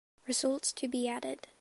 Results to be added